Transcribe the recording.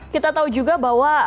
kita tahu juga bahwa